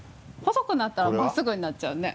細くなったら真っすぐになっちゃうね。